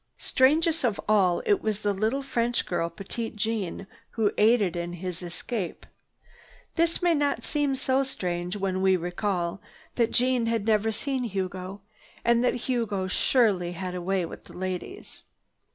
Strangest of all, it was the little French girl, Petite Jeanne, who aided in his escape. This may not seem so strange when we recall that Jeanne had never seen Hugo and that Hugo surely had a way with the ladies.